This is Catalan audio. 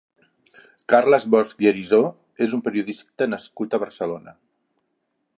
Carles Bosch i Arisó és un periodista nascut a Barcelona.